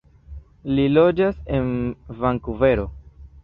Li loĝas en Vankuvero.